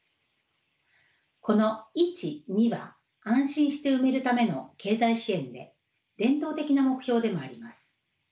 この１２は安心して産めるための経済支援で伝統的な目標でもあります。